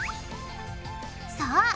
そう！